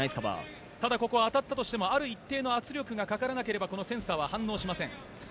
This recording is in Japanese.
ただここは当たったとしてもある一定の圧力がかからなければこのセンサーは反応しません。